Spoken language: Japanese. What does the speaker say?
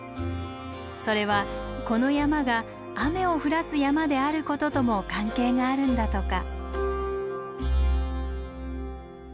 それはこの山が雨を降らす山であることとも関係があるんだとか。